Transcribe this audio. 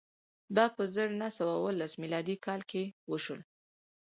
دا په زر نه سوه اوولس میلادي کال کې وشول.